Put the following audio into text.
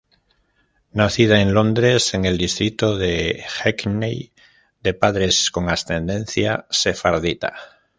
Nacida en Londres, en el distrito de Hackney, de padres con ascendencia sefardita.